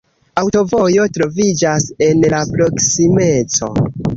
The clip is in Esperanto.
Aŭtovojo troviĝas en la proksimeco.